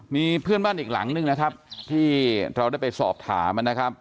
มีเพื่อนบ้านอีกหลังนึงนะครับที่เราได้ไปสอบถามนะครับ